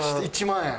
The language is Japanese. １万円。